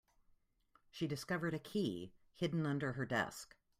She discovered a key hidden under her desk.